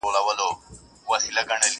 لومړی ملګری د ډاکټرانو.!